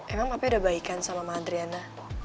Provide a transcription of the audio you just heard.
emang papi sudah baikan sama mama adriana